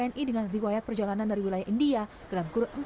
untuk pengetatan terhadap wna atau wni yang datang